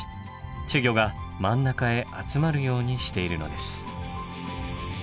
稚魚が真ん中へ集まるようにしているのです。